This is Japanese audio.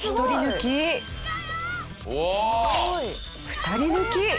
２人抜き。